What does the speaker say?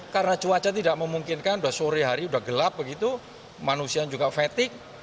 karena cuaca tidak memungkinkan sudah sore hari sudah gelap begitu manusia juga fatigue